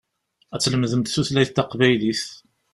Ad tlemdemt tutlayt taqbaylit.